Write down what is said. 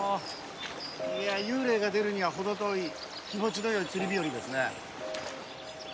いや幽霊が出るには程遠い気持ちの良い釣り日和ですね。